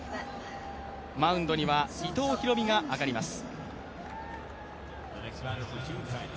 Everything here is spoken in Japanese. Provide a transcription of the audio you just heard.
マウンドには伊藤大海が上がります。